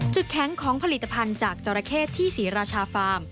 แข็งของผลิตภัณฑ์จากจราเข้ที่ศรีราชาฟาร์ม